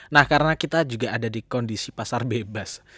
nah karena kita juga ada di kondisi pasar bebas